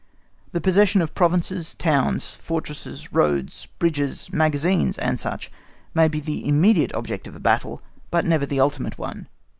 The possession of provinces, towns, fortresses, roads, bridges, magazines, &c., may be the immediate object of a battle, but never the ultimate one.